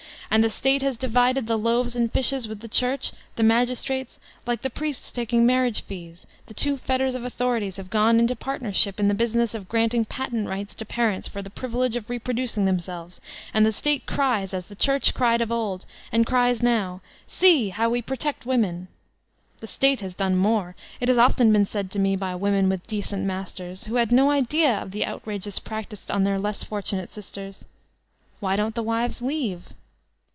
And the State has divided the loaves and fishes with the Church, the magis trates» like the priests take marriage fees ; the two fetters of Authority have gone into partnership in the business of granting patent rights to parents for the privilq;e of reproducing themselves, and the State cries as the Church cried of old, and cries now : ''See how we protect j^onattkV* The State has done more. It has often been said to me, by women with decent masters, who had no klea of the outrages practiced on their less fortunate eisters, "Why don't the wives leave?"